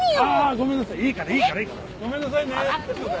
ごめんなさいね。